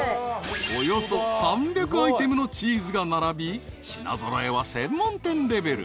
［およそ３００アイテムのチーズが並び品揃えは専門店レベル］